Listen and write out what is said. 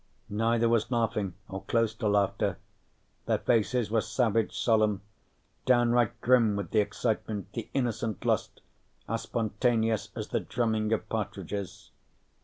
Neither was laughing or close to laughter. Their faces were savage solemn, downright grim with the excitement, the innocent lust, as spontaneous as the drumming of partridges.